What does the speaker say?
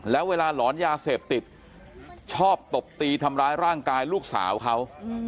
แล้วเวลาหลอนยาเสพติดชอบตบตีทำร้ายร่างกายลูกสาวเขา